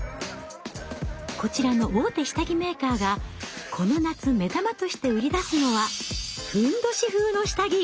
こちらの大手下着メーカーがこの夏目玉として売り出すのは褌風の下着。